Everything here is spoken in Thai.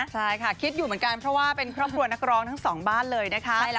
ใช่ค่ะคิดอยู่เหมือนกันเพราะว่าเป็นครอบครัวนักร้องทั้งสองบ้านเลยนะคะ